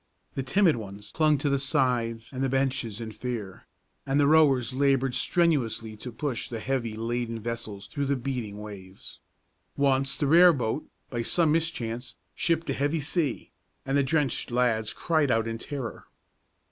The timid ones clung to the sides and the benches in fear, and the rowers labored strenuously to push the heavily laden vessels through the beating waves. Once the rear boat, by some mischance, shipped a heavy sea, and the drenched lads cried out in terror.